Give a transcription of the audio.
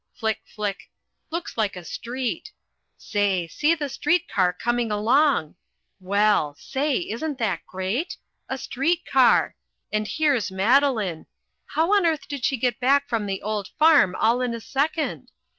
Flick, flick, looks like a street. Say! see the street car coming along well! say! isn't that great? A street car! And here's Madeline! How on earth did she get back from the old farm all in a second?